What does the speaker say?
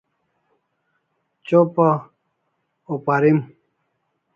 Chopa or parim